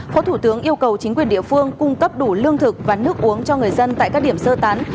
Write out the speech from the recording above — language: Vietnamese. phó thủ tướng yêu cầu chính quyền địa phương cung cấp đủ lương thực và nước uống cho người dân tại các điểm sơ tán